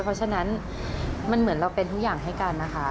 เพราะฉะนั้นมันเหมือนเราเป็นทุกอย่างให้กันนะคะ